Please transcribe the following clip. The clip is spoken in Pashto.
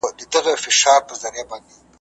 په جنازه کي یې اویا زرو ملکو ژړل `